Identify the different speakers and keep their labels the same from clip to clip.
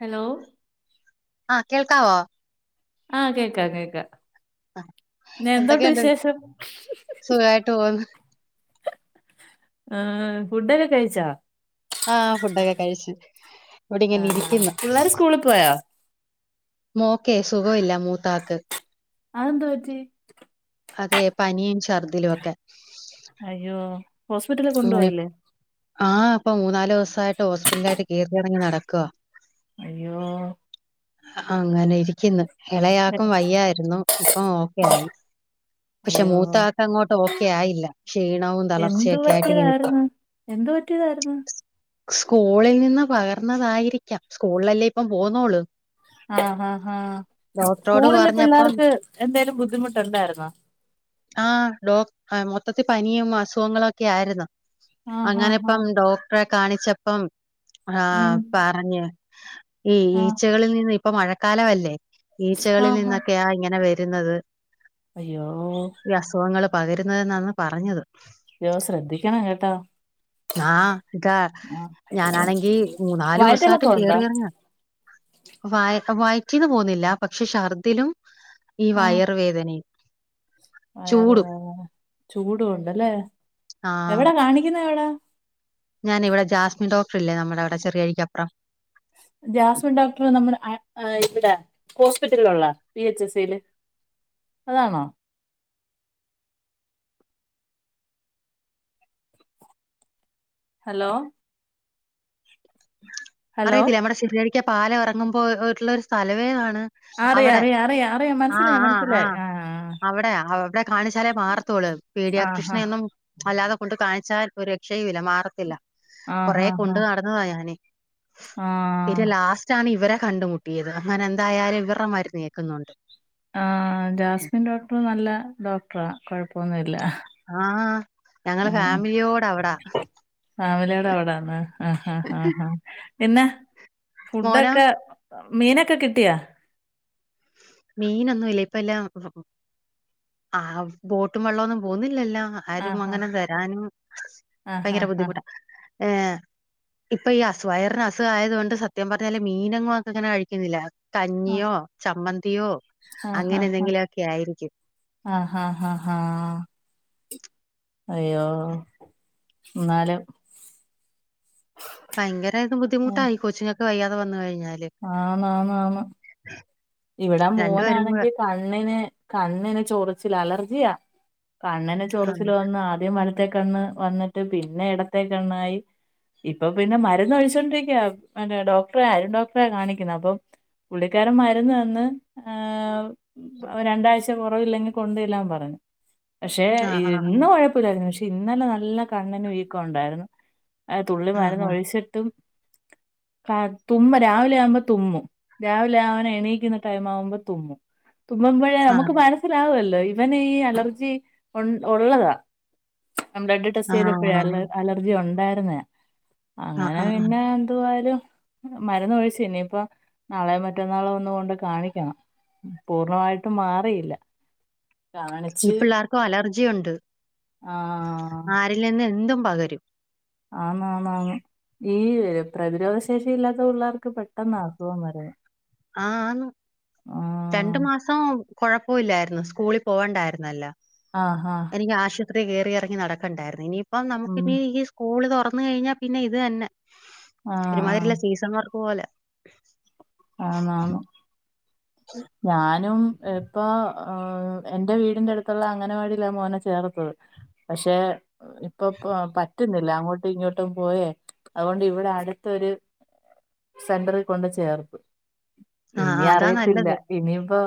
Speaker 1: Hello
Speaker 2: ആഹ് കേൾക്കാവോ
Speaker 1: ആ കേക്കാ കേക്കാ
Speaker 2: ആ
Speaker 1: [unintelligible] എന്തോട്ട്
Speaker 2: എന്തൊക്കെയുണ്ട്
Speaker 1: വിശേഷം
Speaker 2: സുഖമായിട്ട് പോകുന്നു
Speaker 1: ആ ഫുഡ് ഒക്കെ കഴിച്ചോ
Speaker 2: ആ ഫുഡ് ഒക്കെ കഴിച്ചു ഇവിടെ
Speaker 1: ആ,
Speaker 2: ഇങ്ങനെ ഇരിക്കുന്നു
Speaker 1: പിള്ളേർ സ്കൂളിൽ പോയോ
Speaker 2: മോക്കേ സുഖവില്ല മൂത്താക്ക്
Speaker 1: അതെന്തു പറ്റി
Speaker 2: അതെ പനിയും ഛർദിലുവൊക്കെ
Speaker 1: അയ്യോ ഹോസ്പിറ്റലിൽ കൊണ്ടു പോയില്ലേ
Speaker 2: ആഹ് ഇപ്പൊ മൂന്നാല് ദിവസായിട്ട് ഹോസ്പിറ്റലിലായിട്ട് കേറിയിറങ്ങി നടക്കുവ
Speaker 1: അയ്യോ
Speaker 2: അങ്ങനെ ഇരിക്കുന്നു
Speaker 1: എ-
Speaker 2: ഇളയാക്കും വയ്യായിരുന്നു ഇപ്പം ഓക്കെ ആയി. പക്ഷെ
Speaker 1: അയ്യോ
Speaker 2: മൂത്താക്ക് അങ്ങോട്ട് ഓക്കെ ആയില്ല ക്ഷീണവും തളർച്ചയൊക്കെ ആയിട്ട് ഇങ്ങനെ ഇരിക്കും
Speaker 1: [unintelligible] എന്ത് പറ്റിയതായിരുന്നു
Speaker 2: സ്കൂളിൽ നിന്ന് പകർന്നതായിരിക്കാം സ്കൂളിലല്ലേ ഇപ്പം പോന്നോൾ
Speaker 1: ആ ഹ ഹ
Speaker 2: ഡോക്ടറോട്
Speaker 1: സ്കൂളില്
Speaker 2: പറഞ്ഞപ്പം
Speaker 1: പിള്ളേർക്ക് എന്തെങ്കിലും ബുദ്ധിമുട്ടുണ്ടായിരുന്നോ
Speaker 2: ആ [unintelligible] അ മൊത്തത്തി പനിയും അസുഖങ്ങളൊക്കെ ആയിരുന്നു
Speaker 1: ആ ഹാ ഹാ
Speaker 2: അങ്ങനെപ്പം ഡോക്ടറെ കാണിച്ചപ്പം ആ
Speaker 1: ഉം.
Speaker 2: പറഞ് ഈ
Speaker 1: ആ
Speaker 2: ഈച്ചകളിൽ നിന്ന് ഇപ്പൊ മഴക്കാലമല്ലേ
Speaker 1: ആ
Speaker 2: ഈച്ചകളിൽ
Speaker 1: ഹാ
Speaker 2: നിന്നൊക്കെയാ ഇങ്ങനെ വരുന്നത്
Speaker 1: അയ്യോ
Speaker 2: പകരുന്നതെന്നാന്ന് പറഞ്ഞത് പ
Speaker 1: യ്യോ ശ്രദ്ധിക്കണം കേട്ടാ
Speaker 2: [unintelligible] ഞാനാണെങ്കി മൂന്നാലൂസായിട്ട്
Speaker 1: വയറ്റിളക്കം ഉണ്ടോ
Speaker 2: കേറിയിറങ്ങ വ വയിറ്റിന്ന് പോവുന്നില്ല പക്ഷെ ശർദിലും ഈ വയറു വേദനയും
Speaker 1: വയറ് വേദന ചൂടും ഒണ്ടല്ലേ എവടാ കാണിക്കുന്ന എവട
Speaker 2: ഞാനെ ഇവിടെ ജാസ്മിൻ ഡോക്ടർ ഇല്ലേ നമ്മുടെ അവടെ ചെറിയഴിക്കപ്പറം
Speaker 1: [inaudible] ജാസ്മിൻ ഡോക്ടറ് നമ്മുടെ അയ അ ഇവിടെ ഹോസ്പിറ്റലിലുള്ള പി എച്ച് എസ് സിയില് അതാണോ ഹലോ ഹലോ
Speaker 2: അറിയത്തില്ല നമ്മടെ ശിരിയഴിക്കെ പാലം എറങ്ങുമ്പോ ഒ ഒള്ള ഒരു സ്ഥലവേ ആണ്
Speaker 1: അറിയാം
Speaker 2: അവിടെ
Speaker 1: അറിയാം അറിയാം അറിയാം
Speaker 2: ആ
Speaker 1: മനസ്സിലായി
Speaker 2: ആ ആ
Speaker 1: മനസ്സിലായി
Speaker 2: അവിടെയാ അവിടെ കാണിച്ചാലേ മാറത്തോളള് പീടിയ
Speaker 1: ആ ആ
Speaker 2: ക്ട്രീഷനെയൊന്നും അല്ലാതെ കൊണ്ട് കാണിച്ചാൽ ഒരു രക്ഷയുല്ല മാറത്തില്ല
Speaker 1: ആ
Speaker 2: കൊറെ
Speaker 1: ആ ആ
Speaker 2: കൊണ്ട് നടന്നതാ ഞാന്
Speaker 1: ആ
Speaker 2: പിന്നെ ലാസ്റ്റ് ആണ് ഇവരെ കണ്ടുമുട്ടിയത് അങ്ങനെ എന്തായാലും ഇവറെ മരുന്ന് ഏൽക്കുന്നുണ്ട്
Speaker 1: ആ ജാസ്മിൻ ഡോക്ടർ നല്ല ഡോക്ടറാ കൊഴപ്പൊന്നുല്ല
Speaker 2: ആ, ഞങ്ങള് ഫാമിലിയോടെ അവിടാ
Speaker 1: ഫാമിലിയോടെ അവിടാന്ന് ആഹ് ആഹ് ആഹ് ആഹ് പിന്നെ
Speaker 2: മോനോ
Speaker 1: ഫുഡൊക്കെ മീനൊക്കെ കിട്ടിയാ
Speaker 2: മീനൊന്നും ഇല്ല ഇപ്പ എല്ലാം ആ ബോട്ടും വള്ളൊന്നും പോന്നില്ലല്ലോ ആ ആരും അങ്ങനെ വരാനും
Speaker 1: ആ ആ
Speaker 2: ഭയങ്കര
Speaker 1: ആ
Speaker 2: ബുദ്ധിമുട്ടാ ഏ ഇപ്പൊ ഈ അസുഖ വയറിന് അസുഖാ [unintelligible] കൊണ്ട് സത്യം പറഞ്ഞാല് മീനെങ്ങും അങ് കഞ്ഞിയോ ചമ്മന്തിയോ
Speaker 1: ആഹ് ഹാ
Speaker 2: അങ്ങനെ എന്തെങ്കിലുമൊക്കെ ആയിരിക്കും
Speaker 1: ഹാ ആഹ് അയ്യോ ന്നാലും
Speaker 2: ഭയങ്കരയിത് ബുദ്ധിമുട്ടായി കൊച്ചിങ്ങക്ക് വയ്യാതെ വന്നു കഴിഞ്ഞ
Speaker 1: ആന്ന് ആന്ന് ആന്ന് ഇവിടെ
Speaker 2: രണ്ടുപേരും കൂടെ
Speaker 1: മോനാണെങ്കി കണ്ണിന് കണ്ണിന് ചോറിച്ചില അലർജിയാ കണ്ണിന്
Speaker 2: ആഹ്
Speaker 1: ചൊറിച്ചില് വന്ന് ആദ്യം വലത്തേ കണ്ണ് വന്നിട്ട് പിന്നെ എടത്തേ കണ്ണായി ഇപ്പൊ പിന്നെ മരുന്ന് ഒഴിച്ചോണ്ടിരിക്കാന്നെ ഡോക്ടറെ അരുൺ ഡോക്ടറെ കാണിക്കണേ അപ്പ [inaudible] രുന്ന് തന്ന് ഏ രണ്ടാഴ്ച കുറവില്ലെങ്കിൽ കൊണ്ടെല്ലാൻ പറഞ്ഞു പക്ഷെ
Speaker 2: ആഹ് ആഹ്
Speaker 1: ഇന്ന് കൊഴപ്പില്ലായിരുന്നു പക്ഷെ ഇന്നലെ നല്ല കണ്ണിന് വീക്കം ഉണ്ടായിരുന്നു ആ തുള്ളി
Speaker 2: ആഹ്
Speaker 1: മരുന്ന് ഒഴിച്ചിട്ടും കാ തുമ്മല് രാവിലെ ആവുമ്പോ തുമ്മും രാവിലെ അവനെ നെണീക്കുന്ന ടൈമ് ആവുമ്പഴേ തുമ്മും തുമ്മുമ്പഴേ
Speaker 2: ആഹ്
Speaker 1: നമുക്ക് മനസിലാവല്ലോ ഇവന് ഈ അലർജി ഉണ്ട ഉള്ളതാ ബ്ലഡ് ടെസ്റ്റ് ചെയ്തപ്പോഴാ അലർജി ഉണ്ടായിരുന്നേ
Speaker 2: ആഹ്
Speaker 1: അങ്ങനെ
Speaker 2: ആഹ് ആഹ്
Speaker 1: പിന്നെ എന്തുവായാലും മരുന്ന് ഒഴിച്ചു ഇനിപ്പോ നാളെ മറ്റന്നാളോ ഒ ന്ന് കൊണ്ട് കാണിക്കണം പൂർണ്ണമായിട്ടും മാറിയില്ല
Speaker 2: ഈ
Speaker 1: കാണിച്ച്
Speaker 2: പിള്ളേർക്കും അലർജി ഉണ്ട്
Speaker 1: ആ
Speaker 2: ആരിൽ നിന്ന് എന്തും പകരും
Speaker 1: ആന്ന് ആന്ന് ആന്ന് ഈ പ്രതിരോധ ശേഷി ഇല്ലാത്ത പിള്ളേർക്ക് പെട്ടെന്നാ അസുഖം വരു
Speaker 2: ആഹ് ആന്ന് രണ്ടു മാസം കൊഴ പ്പുല്ലായിരുന്നു സ്കൂളിൽ പോവണ്ടായിരുന്നല്ലോ
Speaker 1: ആഹ് ആഹ്
Speaker 2: ഒത്തിരി കയറി ഇറങ്ങി നടക്കണ്ടായിരുന്നു ഇനിയിപ്പം നമുക്ക്
Speaker 1: ഉം
Speaker 2: ഇനി ഈ സ്കൂളിൽ തുറന്ന കഴിഞ്ഞാൽ പിന്നെ ഇത് തന്നെ.
Speaker 1: ആ ആ
Speaker 2: ഒരുമാതിരിയുള്ള സീസൺ വർക്ക് പോലെ
Speaker 1: ആന്ന് ആന്ന് ഞാനും ഇപ്പ ഏ എന്റെ വീടിൻ്റെ അടുത്തുള്ള അംഗനവാടിലാ മോനെ ചേർത്തത്. പക്ഷെ ഇപ്പൊ പറ്റുന്നില്ല അങ്ങോട്ടും ഇങ്ങോട്ടും പോയേ അതുകൊണ്ട് ഇവിടെ അടുത്തൊരു സെന്ററിൽ കൊണ്ട് ചേർത്തു.
Speaker 2: ആഹ് ആ അതാ
Speaker 1: ത്തില്ല
Speaker 2: നല്ലത്.
Speaker 1: ഇനിയിപ്പോ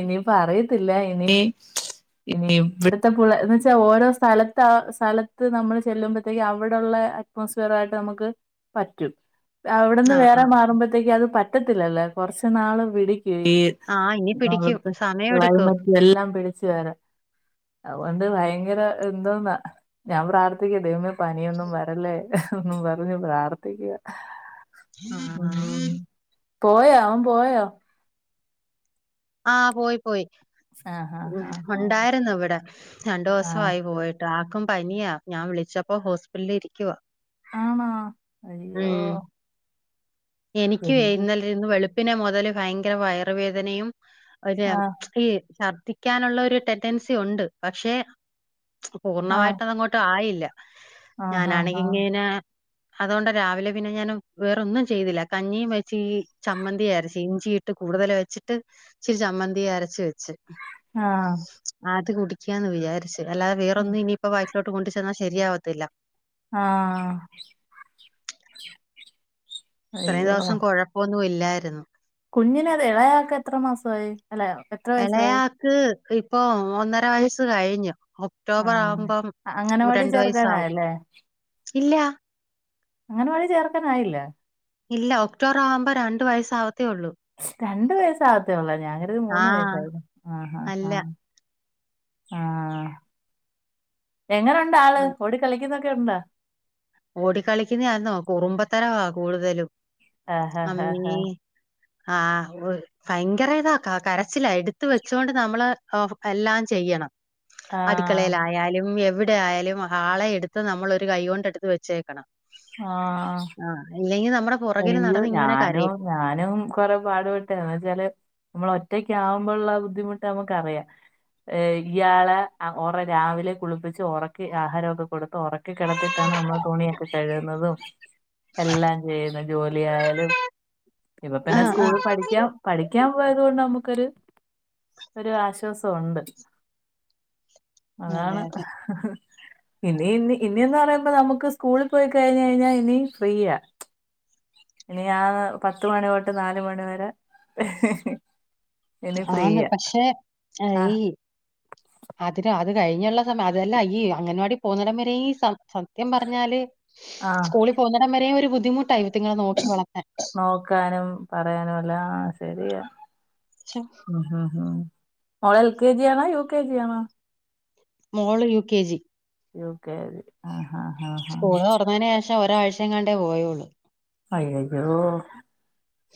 Speaker 1: ഇനിയിപ്പോ അറിയത്തില്ല ഇനി പി ഇവിടത്തെ പു എന്ന് വെച്ചാ ഓരോ സ്ഥലത്ത് സ്ഥലത്ത് നമ്മൾ ചെല്ലുമ്പോഴത്തേക്കും അവിടെള്ള അറ്റ്മോസ്ഫിയർ ആയിട്ട് നമുക്ക് പറ്റും. അവിടന്ന്
Speaker 2: ആ, ആ.
Speaker 1: വേറെ മാറുമ്പോഴത്തേക്ക അത് പറ്റത്തില്ലല്ലേ കുറച്ചു നാള് വിടി
Speaker 2: ആ, ഇനി പിടിക്കും. സമയമെടുക്കും.
Speaker 1: ക്ലൈമറ്റ് എല്ലാം പിടി അതുകൊണ്ട് ഭയങ്കര എന്തോന്നാ ഞാൻ പ്രാർത്ഥിക്ക ദൈവമേ പനിയൊന്നും വരല്ലേ എന്നും പറഞ്ഞ് പ്രാർത്ഥിക്കുവാ.
Speaker 2: ആ ആ
Speaker 1: പോയാ അവൻ പോയാ?
Speaker 2: ആഹ് പോയി. പോയി
Speaker 1: ആ ആ ആ
Speaker 2: മ്
Speaker 1: ആ,
Speaker 2: ഉണ്ടായിരുന്നു ഇവിടെ രണ്ടു
Speaker 1: ആ.
Speaker 2: ദിവസായി പോയിട്ട് ആ പനിയാ ഞാൻ വിളിച്ചപ്പോ ഹോസ്പിറ്റലിൽ ഇരിക്കുവ
Speaker 1: ആണോ അയ്യോ.
Speaker 2: എനികും
Speaker 1: എന്ത്
Speaker 2: ഇന്നലെ ഇന്ന് വെളുപ്പിനെ മുതൽ ഭയങ്കര വയറുവേദനയും ഒരു
Speaker 1: ആ
Speaker 2: ഈ ഛർദ്ദിക്കാനുള്ള ഒരു ടെറ്റൻസി ഉണ്ട് പക്ഷെ
Speaker 1: ആ
Speaker 2: പൂർണ്ണമായിട്ട് അതങ്ങോട്ട് ആയില്ല
Speaker 1: ആ ആ ആ
Speaker 2: ഞാനാണങ്കിങ്ങനെ അതുകൊണ്ട് രാവിലെ പിന്നെ ഞാൻ വേറ ഒന്നും. ചെയ്തില്ല കഞ്ഞിയും വെച്ച് ചമ്മന്തി അരച്ച് ഇഞ്ചിയിട്ട് കൂടുതൽ വെച്ചിട്ട് ഇച്ചിരി ചമ്മന്തി അരച്ച വച്ചു.
Speaker 1: ആ
Speaker 2: അത് കുടിക്കാന്ന് വിചാരിച്ചു അല്ലാതെ വേറൊന്നും ഇനിപ്പോ വാ [inaudible] [unintelligible] കൊണ്ട് ചെന്നാൽ ശരിയാവത്തില്ല.
Speaker 1: ആ. [inaudible] [unintelligible]
Speaker 2: ഇത്രയും ദിവസം കൊഴപ്പൊന്നും ഇല്ലായിരുന്നു.
Speaker 1: കുഞ്ഞിനെ അത് ഇളയാക്ക എത്ര മാസമായി? അല്ല എത്ര വയസ്സായി
Speaker 2: ഇളയാക്ക് ഇപ്പൊ ഒന്നര വയസ്സ് കഴിഞ്ഞു.
Speaker 1: ആ
Speaker 2: ഒക്ടോബർ ആകുമ്പം
Speaker 1: അ- അംഗനവാടി
Speaker 2: രണ്ടു വയസാവും
Speaker 1: ചേർക്കാനായല്ലേ
Speaker 2: ഇല്ല.
Speaker 1: അങ്കണവാടിയിൽ ചേർക്കാൻ ആയില്ലേ?
Speaker 2: ഇല്ല ഒക്ടോബർ ആവുമ്പോ രണ്ട് വയസ്സ് ആവത്തേ ഉള്ളൂ.
Speaker 1: രണ്ടു വയസ്സ് ആവത്തേ ഉള്ള ഞാൻ കരുതി
Speaker 2: ആ
Speaker 1: മൂന്ന് വയസായി ആ ആ ആ.
Speaker 2: അല്ല
Speaker 1: ആ എങ്ങനുണ്ട് ആള് ഓടിക്കളിക്കുന്നൊക്കെ. ഉണ്ട?
Speaker 2: ഓടിക്കളിക്കുന്ന ആന്നോ കുറുമ്പത്തരവാ കൂടുതലും.
Speaker 1: ആഹ് ആഹ് ആഹ് ആഹ്.
Speaker 2: ആ ഭയങ്കര ഇതാ കരച്ചില എടുത്ത വെച്ചുകൊണ്ട് നമ്മള് എല്ലാം ചെയ്യണം.
Speaker 1: ആഹ്
Speaker 2: അടുക്കളയിലായാലും എവിടെ ആയാലും ഹാളെ എടുത്ത് നമ്മളൊരു കൈകൊണ്ട് എടുത്ത് വെച്ചക്കണം.
Speaker 1: ആ.
Speaker 2: ഇല്ലെങ്കിൽ നമ്മുടെ പുറകിന്
Speaker 1: അയ്യോ
Speaker 2: നടന്ന് ഇങ്ങനെ
Speaker 1: ഞാനോ
Speaker 2: കരയും
Speaker 1: ഞാനും കൊറെ പാടുപെട്ടെന്ന് വെച്ചാല് നമ്മള് ഒറ്റ [inaudible] ഒറ്റക്ക് ആവുമ്പോ ഉള്ള ബുദ്ധിമുട്ട് നമുക്കറിയാം. ഇയാളെ ഒറ രാവിലെ കുളിപ്പിച്ച് ഉറക്കി ആഹാരമൊക്കെ കൊടുത്ത് ഉറക്ക കിടത്തിട്ടാണ് നമ്മൾ തുണിയൊക്കെ കഴുകുന്നതും എല്ലാം ചെയ്യുന്ന ജോലിയായാലും. ഇപ്പ പിന്നെ
Speaker 2: ആഹ്
Speaker 1: സ്കൂള് പഠിക്ക
Speaker 2: ആഹ്
Speaker 1: പഠിക്കാൻ പോയത് കൊണ്ട് നമ്മുക്കൊരു. ഒരു ആശ്വാസമുണ്ട്.
Speaker 2: അതെ
Speaker 1: അതാണ്
Speaker 2: അതെ
Speaker 1: ഇനി ഇ ഇനിന്ന് പറയുമ്പോ നമുക്ക് സ്കൂളിൽ. പോയി കഴിഞ്ഞ് കഴിഞ്ഞാൽ ഇനി ഫ്രീ ആ. ഇനി ആ പത്ത് മണി തൊട്ട് നാല് മണിവരെ [unintelligible]
Speaker 2: ആന്ന് പക്ഷെ
Speaker 1: ആഹ്
Speaker 2: ഈ അതിര [unintelligible] അത് കഴിഞ്ഞുള്ള സമയം അതല്ല ഈ അംഗൻവാടി പോകുന്നടം വരെയീസ [unintelligible] സത്യം പറഞ്ഞാല്
Speaker 1: ആഹ്
Speaker 2: സ്കൂളിൽ പോകുന്നിടം വരെയെ ഒരു ബുദ്ധിമുട്ടായിന്നു [unintelligible]
Speaker 1: നോക്കാനും പറയാനും എല്ലാം ശരിയാ.
Speaker 2: ശ്ശോ,
Speaker 1: ഹ ഹ ഹാ ഓള് എൽ കെ ജി ആണ? യൂ കെ ജി ആണ?
Speaker 2: മോള് യു കെ ജി.
Speaker 1: ഓക്കെ ആ.
Speaker 2: സ്കൂള് തുറന്നതിന് ശേഷം ഒരാഴ്ചങ്ങണ്ടേ പോയൊള്ളു.
Speaker 1: അയ്യയ്യോ.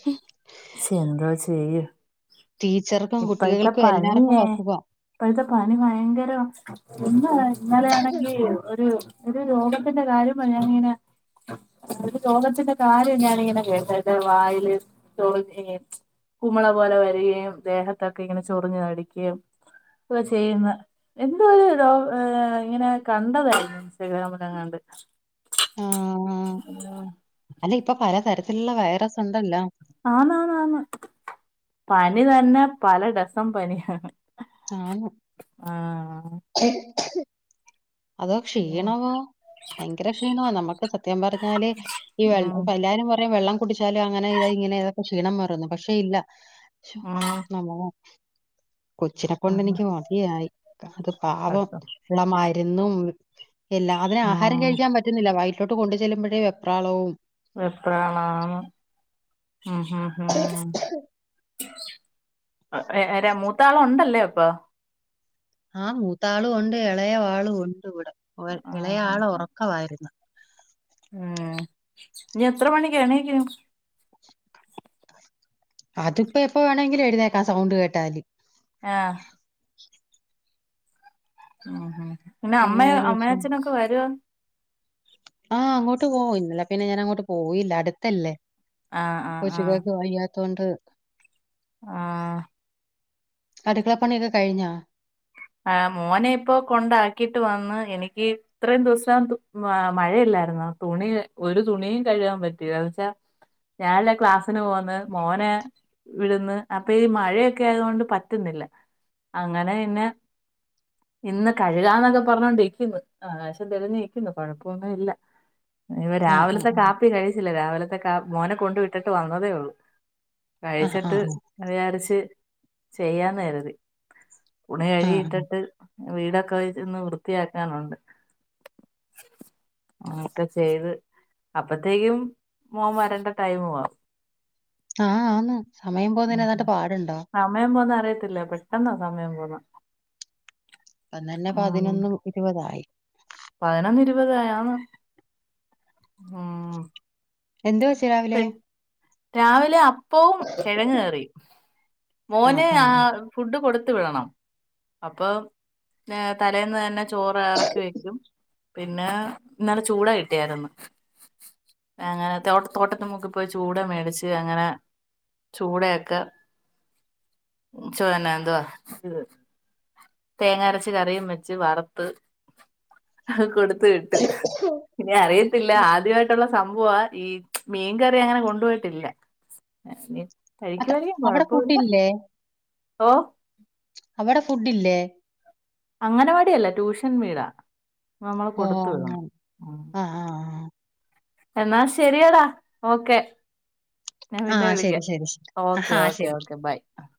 Speaker 2: ഹും. [unintelligible]
Speaker 1: ശെന്തോ ചെയ്യും.
Speaker 2: ടീച്ചർക്കും
Speaker 1: ഇപ്പോഴത്തെ
Speaker 2: കുട്ടികൾക്കും
Speaker 1: പനിയേ
Speaker 2: എല്ലാർക്കും അസുഖ.
Speaker 1: ഇപ്പോഴത്തെ പനി ഭയങ്കരന്ന് [inaudible] ഇന്നലെയാണെങ്കിൽ ഒരു [inaudible] ഒരു രോഗത്തിന്റെ കാര്യ പറഞ്ഞങ്ങനെ [unintelligible] [inaudible] അത് രോഗത്തിന്റെ കാര്യം ഞാനിങ്ങനെ കേട്ടത് വായില് [inaudible] [unintelligible] [inaudible] കുമള പോലെ വരികയും ദേഹത്തൊക്കെ ഇങ്ങനെ ചൊറിഞ്ഞ് തടിക്കുകയും ഒക്കെ ചെയ്യുന്ന എന്തോ ഒരു രോ ഉം ഇങ്ങനെ കണ്ടതായിരുന്നു ഇൻസ്റ്റഗ്രാമിനങ്ങാണ്ട്. [unintelligible] [inaudible] [inaudible]
Speaker 2: ആഹ്
Speaker 1: [inaudible]
Speaker 2: അല്ല ഇപ്പ പലതരത്തിലുള്ള വൈറസ് ഉണ്ടല്ലോ?
Speaker 1: ആന്നന്ന ആന്ന് പനി തന്നെ പല ടസം പനിയാണ്.
Speaker 2: ആന്ന്‌.
Speaker 1: ആഹ്
Speaker 2: അതോ ക്ഷീണവോ ഭയങ്കര ക്ഷീണമാണ് നമുക്ക് സത്യം പറഞ്ഞാല് ഈ
Speaker 1: ഉം
Speaker 2: വെള്ളംപ്പ എല്ലാവാരും പറയും വെള്ളം കുടിച്ചാലും അങ്ങനെ ഇത് ഇങ്ങനെ ഇതൊക്കെ ക്ഷീണം മാറുന്ന്. പക്ഷെ ഇല്ല
Speaker 1: ഉം
Speaker 2: നമ്മള് കൊച്ചിനെ കൊണ്ട്
Speaker 1: ഉം
Speaker 2: എനിക്ക് മതിയായി അത് പാപം
Speaker 1: കഷ്ടം.
Speaker 2: ഉള്ള മരുന്നും എല്ലാതിന് ആഹാരം
Speaker 1: ഉം
Speaker 2: കഴിക്കാൻ പറ്റുന്നില്ല വൈറ്റിലോട്ട് കൊണ്ടു ചെല്ലുമ്പഴേ വെപ്രാളവും
Speaker 1: വെപ്രാളം ഉം ഹും ഹും ഹു മൂത്താളെ ഉണ്ടല്ലേ ഇപ്പൊ
Speaker 2: ആ മൂത്താളും ഉണ്ട് ഇളയവാളും ഉണ്ട് ഇവിടെ ഇളയ
Speaker 1: ആഹ് ആഹ്
Speaker 2: ആള്
Speaker 1: ആഹ്.
Speaker 2: ഉറക്കമായിരുന്നു.
Speaker 1: ഉം ഇനി എത്ര മണിക്കെണീക്കും?
Speaker 2: അതിപ്പോ എപ്പ വേണമെങ്കിലും എഴുന്നേക്കാം സൗണ്ട് കേട്ടാല്.
Speaker 1: ആ ഉം ഹും പിന്നെ അമ്മ
Speaker 2: അങ്ങനെ ഒരു വിഷയം
Speaker 1: അമ്മയച്ഛനൊക്കെ വരോ
Speaker 2: ആ അങ്ങോട്ട് പോവും ഇന്നല്ല പിന്നെ ഞാൻ അങ്ങോട്ട് പോയില്ല അടുത്തല്ലേ?
Speaker 1: ആ ആ ആ
Speaker 2: തൊണ്ട്
Speaker 1: ആ
Speaker 2: അടുക്കളപ്പണിയൊക്കെ കഴിഞ്ഞാ?
Speaker 1: ആ മോനെ ഇപ്പോ കൊണ്ടാക്കിയിട്ട് വന്ന് എനിക്ക് ഇത്രയും ദിവസം മഴയില്ല. ല്ലായിരുന്നു. തുണി ഒരു തുണിയും കഴ്കാൻ പറ്റിയില്ല ന്ന് വച്ചാ ഞാനല്ല ക്ലാസ്സിന് പോകന്ന് മോനെ വിടുന്ന് അപ്പൊ ഈ മഴയൊക്കെ ആയതോണ്ട് പറ്റുന്നില്ല. ഇല്ല അങ്ങനെ പിന്നെ ഇന്ന് കഴുകാന്നൊക്കെ പറഞ്ഞോണ്ട് ഇരിക്കുന്നു. ആകാശം തെളിഞ്ഞിരിക്കുന്നു കൊഴപ്പൊന്നുല്ല. ഇനി വ
Speaker 2: ആ ആ
Speaker 1: രാവിലത്തെ കാപ്പി കഴിച്ചില്ല. രാവിലത്തെ കാ മോനെ കൊണ്ട് വിട്ടിട്ട് വന്നതേ ഉള്ളു.
Speaker 2: ആ ആ ആ
Speaker 1: കഴിച്ചിട്ട് വിചാരിച്ച് ചെയ്യാന്ന് കരുതി.
Speaker 2: ആ
Speaker 1: ഉണയഴിയിട്ടിട്ട് വീടൊക്കെ ഒന്ന് വൃത്തിയാക്കാനുണ്ട്. ഒക്കെ ചെയ്ത് അപ്പത്തേക്കും മോൻ വരേണ്ട ടൈ മാവു
Speaker 2: ആ ആ ആന്ന് സമയം പോകുന്നതിന് ഏതാണ്ട്
Speaker 1: ഉ
Speaker 2: പാടുണ്ടോ
Speaker 1: സമയം പോന്ന അറിയത്തില്ല പെട്ടെന്ന സമയ പോവന്നേ
Speaker 2: അന്ന തന്നെ പതിനൊന്നും ഇരുപതായി.
Speaker 1: പതിനൊന്ന് ഇരുപതായേ ഉം
Speaker 2: എന്ത് വെച്ചു രാവിലെ
Speaker 1: പെൺ രാവിലെ അപ്പവും കിഴങ് കറി. മോന ആ ഫുഡ് കൊടുത്ത വിടണം അപ്പൊ തലേന്ന് തന്നെ ചോറ് റക്കി വെക്കും പിന്നെ ഇന്നല ചൂടാ കിട്ടിയായിരുന്നു. അങ്ങനെ തോട്ട തോട്ടത്തി മുക്കിപ്പോയി ചൂട മേടിച്ച് അങ്ങനെ ചൂടയൊക്കെ ചന്നെ എന്തുവാ - തേങ്ങ അരച്ച കറിയും വെച്ച് വറുത്ത് കൊടുത്ത് ട്ട് ഇനി അറിയത്തില്ല ആദ്യമായിട്ടുള്ള - സംഭ ഈ മീൻകറി അങ്ങനെ കൊണ്ടുപോയിട്ടില്ല.
Speaker 2: അത് അവിടെ
Speaker 1: കഴിക്കുവായിരിക്കുംയാകൊഴപ്പ ഇല്ല
Speaker 2: ഫുഡില്ലേ
Speaker 1: ഓ
Speaker 2: അവിടെ ഫുഡ ഇല്ലേ?
Speaker 1: അങ്ങനവാടിയല്ല ട്യൂഷൻ വീടാ നമ്മൾ
Speaker 2: ഓ
Speaker 1: കൊടുത്തു വീണം.
Speaker 2: അങ്ങനെ ആ ആ
Speaker 1: എന്നാ ശെരിയടാ ഓക്കെ? ഞാൻ
Speaker 2: ആ
Speaker 1: പിന്നെ
Speaker 2: ആ ശരി
Speaker 1: വിളിക്കാം
Speaker 2: ശരി ശരി
Speaker 1: ഓക്കേ
Speaker 2: ആ
Speaker 1: ഓക്കേ
Speaker 2: ശരി
Speaker 1: ഓക്കേ ബൈ -